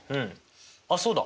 あそうだ。